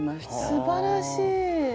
すばらしい！